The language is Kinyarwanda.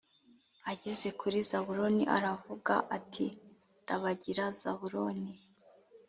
ageze kuri zabuloni aravuga ati dabagira, zabuloni,